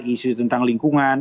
isu tentang lingkungan